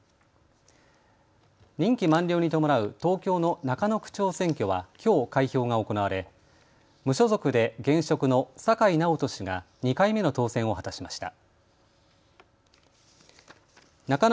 任期満了に伴う東京の中野区長選挙はきょう開票が行われ無所属で現職の酒井直人氏が２回目の当選を果たしました。